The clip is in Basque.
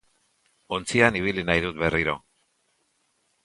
Ontzian ibili nahi dut berriro.